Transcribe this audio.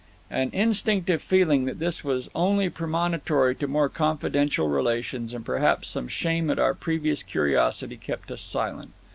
An instinctive feeling that this was only premonitory to more confidential relations, and perhaps some shame at our previous curiosity, kept us silent.